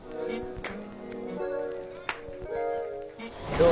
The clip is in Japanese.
どう？